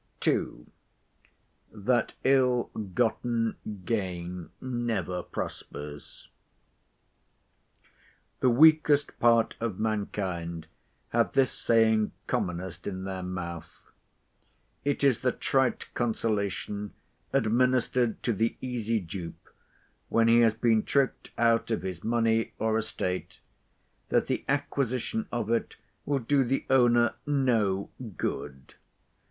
II.—THAT ILL GOTTEN GAIN NEVER PROSPERS The weakest part of mankind have this saying commonest in their mouth. It is the trite consolation administered to the easy dupe, when he has been tricked out of his money or estate, that the acquisition of it will do the owner no good.